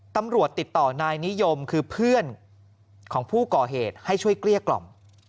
ตำรวจติดต่อนายนิยมคือเพื่อนของผู้ก่อเหตุให้ช่วยเกลี้ยกล่อม